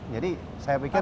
jadi saya pikir